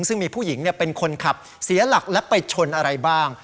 ซึ่งมีผู้หญิงเป็นคนขับเสียหลักและไปชนอะไรบ้าง